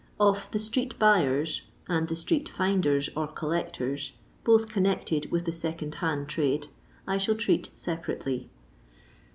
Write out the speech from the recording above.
Of the Street Buters and the Street Pihdbrs, or Collectors, both connected with the second hand trade, I shall treat separately.